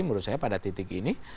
menurut saya pada titik ini